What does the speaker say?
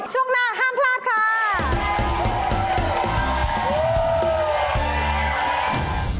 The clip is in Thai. ช่วงหน้าห้ามพลาดค่ะ